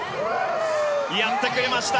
やってくれました！